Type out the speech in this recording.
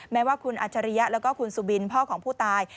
แม้ว่าคุณอัจฉริยะแล้วก็คุณสุบินพ่อของผู้ตาย